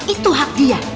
itu hak dia